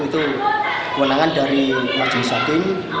itu kewenangan dari majelis hakim